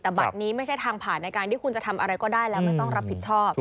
แต่บัตรนี้ไม่ใช่ทางผ่านในการที่คุณจะทำอะไรก็ได้แล้วไม่ต้องรับผิดชอบ